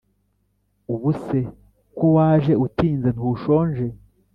Ubuse ko waje utinze ntushonje